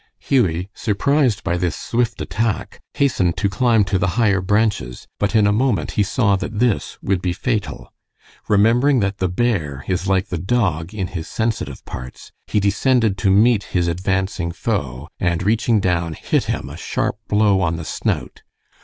Hughie, surprised by this swift attack, hastened to climb to the higher branches, but in a moment he saw that this would be fatal. Remembering that the bear is like the dog in his sensitive parts, he descended to meet his advancing foe, and reaching down, hit him a sharp blow on the snout.